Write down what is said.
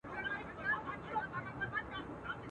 له هيبته يې لړزېږي اندامونه.